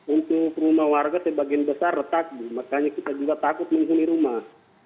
untuk rumah warga sebagian besar retak makanya kita juga takut menghuni rumah